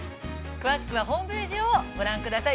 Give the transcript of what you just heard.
◆詳しくはホームページをご覧ください。